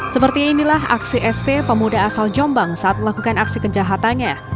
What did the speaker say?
seperti inilah aksi st pemuda asal jombang saat melakukan aksi kejahatannya